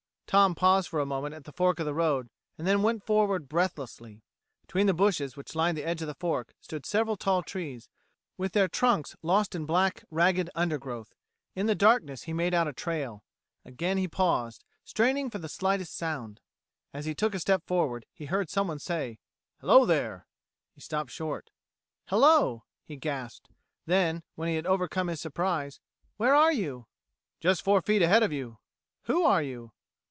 Tom paused for a moment at the fork of the road; then went forward breathlessly. Between the bushes which lined the edge of the fork stood several tall trees, with their trunks lost in black, ragged undergrowth. In the darkness he made out a trail. Again he paused, straining for the slightest sound. As he took a step forward he heard someone say: "Hello, there!" He stopped short. "Hello," he gasped; then, when he had overcome his surprise, "Where are you?" "Just four feet ahead of you." "Who are you?"